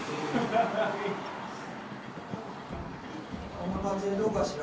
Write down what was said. こんな感じでどうかしら？